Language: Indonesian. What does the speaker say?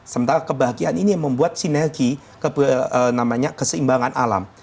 sementara kebahagiaan ini membuat sinergi keseimbangan alam